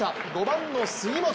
５番の杉本